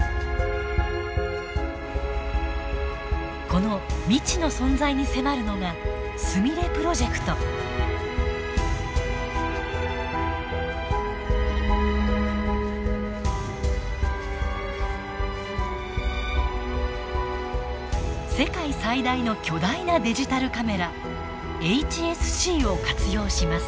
この未知の存在に迫るのが世界最大の巨大なデジタルカメラＨＳＣを活用します。